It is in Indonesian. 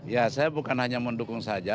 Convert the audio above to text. ya saya bukan hanya mendukung saja